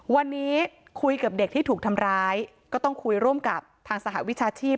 วันนี้คุยกับเด็กที่ถูกทำร้ายก็ต้องคุยร่วมกับทางสหวิชาชีพ